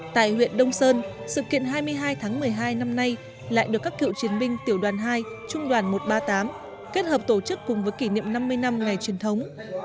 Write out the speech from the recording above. tại huyện đông sơn sự kiện hai mươi hai tháng một mươi hai năm nay lại được các cựu chiến binh tiểu đoàn hai trung đoàn một trăm ba mươi tám kết hợp tổ chức cùng với kỷ niệm năm mươi năm ngày truyền thống